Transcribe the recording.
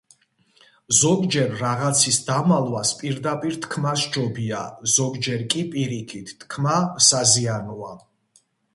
ზოგჯერ რაღაცის დამალვას პირდაპირ თქმა სჯობია, ზოგჯერ კი, პირიქით, თქმა საზიანოა